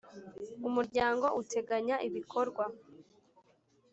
Umuryango uteganya ibikorwa